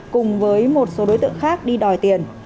cùng với một số đối tượng khác đi đòi tiền